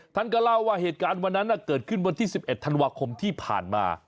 ท่านก็เล่าว่าเหตุการณ์วันนั้นเกิดขึ้นวันที่๑๑ธันวาคมที่ผ่านมา